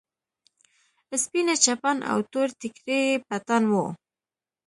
سپينه چپن او تور ټيکری يې په تن و.